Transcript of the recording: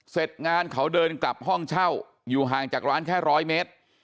เสร็จงานเขาเดินกลับห้องเช่าอยู่ห่างจากร้านแค่๑๐๐เมตร